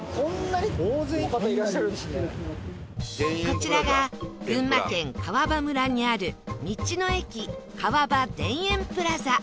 こちらが群馬県川場村にある道の駅川場田園プラザ